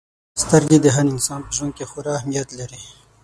• سترګې د هر انسان په ژوند کې خورا اهمیت لري.